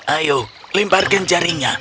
ayo limparkan jaringnya